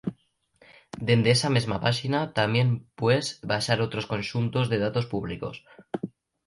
Dende esa mesma páxina, tamién pues baxar otros conxuntos de datos públicos.